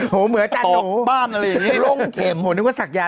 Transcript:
เหมือนกับตอกบ้านอะไรอย่างนี้